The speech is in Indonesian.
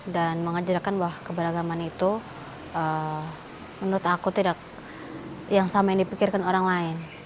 dan mengejarkan bahwa keberagaman itu menurut aku tidak yang sama yang dipikirkan orang lain